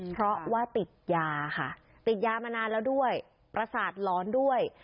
เพราะว่าติดยาค่ะติดยามานานแล้วด้วยประสาทร้อนด้วย